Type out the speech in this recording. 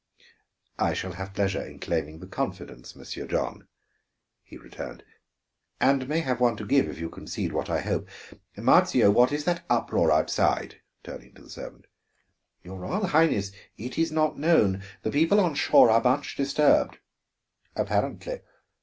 "I shall have pleasure in claiming the confidence, Monsieur John," he returned, "and may have one to give, if you concede what I hope. Marzio, what is that uproar outside?" turning to the servant. "Your Royal Highness, it is not known. The people on shore are much disturbed." "Apparently.